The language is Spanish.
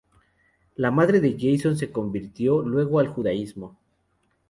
La madre de Jason se convirtió luego al judaísmo.